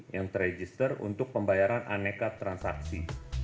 yang terregister untuk pembayaran aneka transaksi